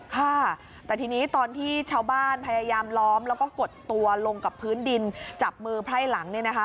ค่ะแต่ทีนี้ตอนที่ชาวบ้านพยายามล้อมแล้วก็กดตัวลงกับพื้นดินจับมือไพร่หลังเนี่ยนะคะ